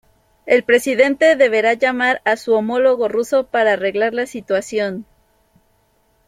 El Presidente deberá llamar a su homólogo ruso para arreglar la situación.